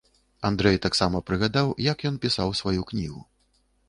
Андрэй таксама прыгадаў, як ён пісаў сваю кнігу.